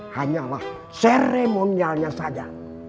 hanyalah seremonialnya saja